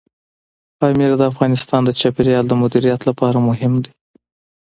پامیر د افغانستان د چاپیریال د مدیریت لپاره مهم دي.